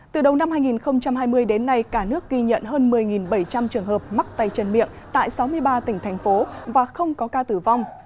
từ đầu năm hai nghìn hai mươi đến nay cả nước ghi nhận hơn một mươi bảy trăm linh trường hợp mắc tay chân miệng tại sáu mươi ba tỉnh thành phố và không có ca tử vong